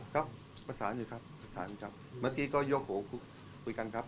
ครับภาษาอยู่ครับภาษาอยู่ครับเมื่อกี้ก็ยกหัวคุยกันครับ